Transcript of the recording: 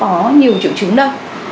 có nhiều triệu chứng đâu